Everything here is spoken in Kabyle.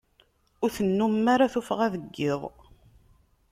Ur tennumem ara tuffɣa deg iḍ.